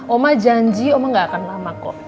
oma janji oma gak akan lama kok